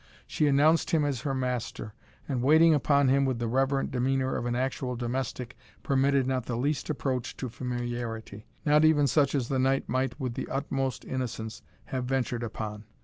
She announced him as her master, and, waiting upon him with the reverent demeanour of an actual domestic, permitted not the least approach to familiarity, not even such as the knight might with the utmost innocence have ventured upon.